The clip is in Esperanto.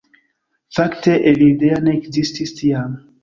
Fakte Evildea ne ekzistis tiam